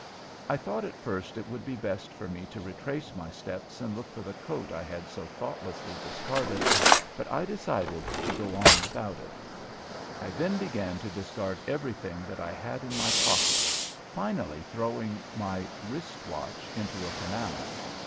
I thought at first it would be best for me to retrace my steps and look for the coat I had so thoughtlessly discarded, but I decided to go on without it. I then began to discard everything that I had in my pocket, finally throwing my wrist watch into a canal.